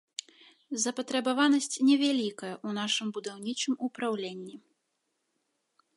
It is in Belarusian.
Запатрабаванасць невялікая ў нашым будаўнічым упраўленні.